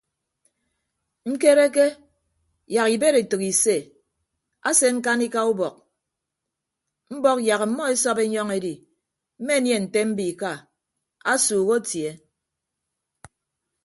Ñkereke yak ibed etәk ise ase ñkanika ubọk mbọk yak ọmmọ esọp enyọñ edi mmenie nte mbiika asuuk atie.